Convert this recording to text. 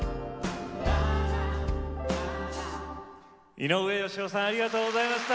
井上芳雄さんありがとうございました。